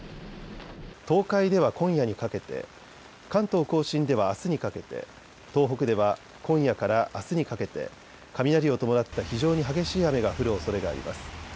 東海では今夜にかけて、関東甲信ではあすにかけて、東北では今夜からあすにかけて雷を伴った非常に激しい雨が降るおそれがあります。